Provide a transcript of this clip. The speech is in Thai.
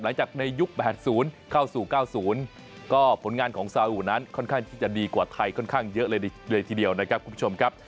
หลังจากในยุค๘๐เข้าสู่๙๐ก็ผลงานของซาอุนั้นค่อนข้างที่จะดีกว่าไทยค่อนข้างเยอะเลยทีเดียวนะครับคุณผู้ชมครับ